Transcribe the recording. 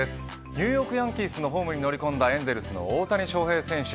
ニューヨークヤンキースのホームに乗り込んだエンゼルスの大谷翔平選手。